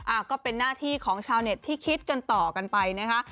ก็เป็นหน้าที่ของชาวเน็ตที่คิดกันต่อกันไปนะคะ